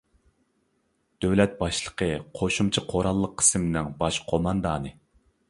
دۆلەت باشلىقى قوشۇمچە قوراللىق قىسىمنىڭ باش قوماندانى.